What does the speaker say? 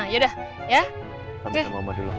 sampai jumpa mama dulu